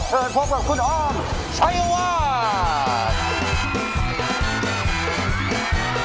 เชิญพบกับคุณอ้อมชัยวาด